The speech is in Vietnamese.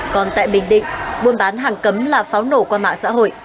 còn tại bình định buôn bán hàng cấm là pháo nổ qua mạng xã hội